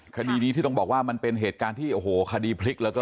คดีนี้ที่ต้องบอกว่ามันเป็นเหตุการณ์ที่โอ้โหคดีพลิกแล้วก็